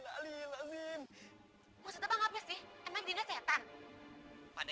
padahal ngomongnya dia setan